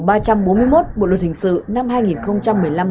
bộ luật hình sự năm hai nghìn một mươi năm